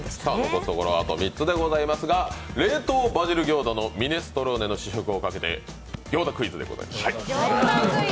残すはあと３つでございますが冷凍バジル餃子のミネストローネをかけてクイズです。